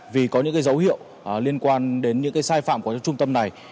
vì có những dấu hiệu liên quan đến những sai phạm của trung tâm này